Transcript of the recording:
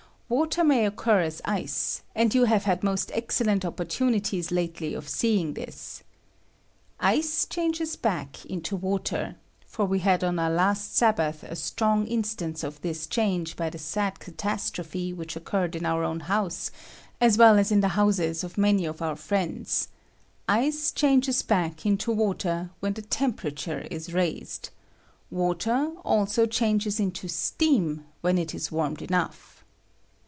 Water may occur as ice ; and you ^^B have had moat excellent opportunities ktely of seeing this. Ice changes back into water — for we had on our last Sabbath a strong instance ! of this change by the sad catastrophe which ■ occurred in our own house, aa well as in the houses of many of our friends — ice changes back into water when the temperature is raised; water also changes into steam when it is warmed enough.